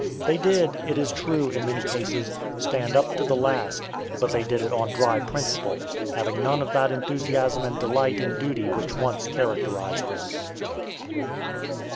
They did, it is true, in many cases, stand up to the last, but they did it on dry principle, having none of that enthusiasm and delight in duty which once characterized them.